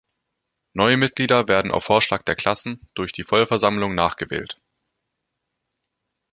Neue Mitglieder werden auf Vorschlag der „Klassen“ durch die Vollversammlung nachgewählt.